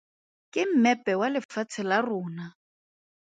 Ke mmepe wa lefatshe la rona.